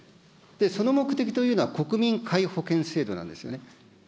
その目的というのは国民皆保険制度なんですよね。